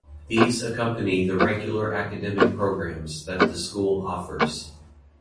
These accompany the regular academic programs that the school offers.